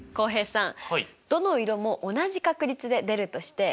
浩平さん。